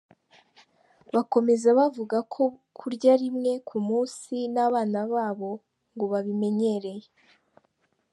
Bakomeza bavuga ko kurya rimwe ku munsi n’abana babo ngo babimenyereye.